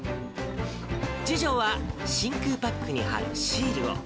次女は真空パックに貼るシールを。